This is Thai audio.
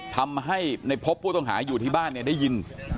ทำให้ในพบผู้ต้องหาอยู่ที่บ้านเนี่ยได้ยิน